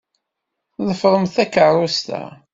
Ḍefṛemt takeṛṛust-a.